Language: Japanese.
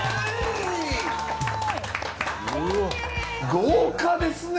豪華ですね。